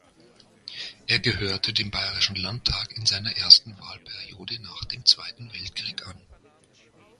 Er gehörte dem Bayerischen Landtag in seiner ersten Wahlperiode nach dem Zweiten Weltkrieg an.